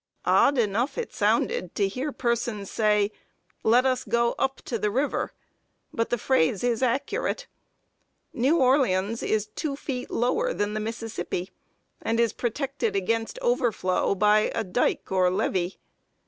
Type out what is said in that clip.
Odd enough it sounded to hear persons say, "Let us go up to the river;" but the phrase is accurate. New Orleans is two feet lower than the Mississippi, and protected against overflow by a dike or levee.